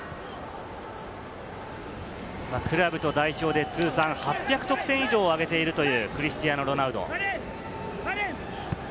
クラブと代表で通算８００得点以上を挙げているというクリスティアーノ・ロナウド。